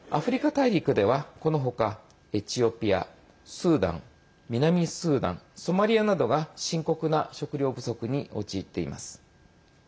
アフリカ大陸では、このほかエチオピア、スーダン南スーダン、ソマリアなどが深刻な食糧不足に陥っています。